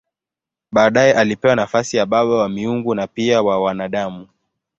Baadaye alipewa nafasi ya baba wa miungu na pia wa wanadamu.